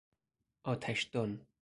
آتشدان